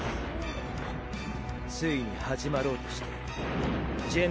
ついに始まろうとしている。